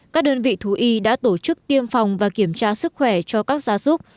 các đơn vị thú y đã tổ chức tiêm phòng và kiểm tra sức khỏe cho các gia súc